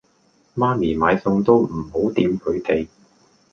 媽咪買餸都唔好掂佢哋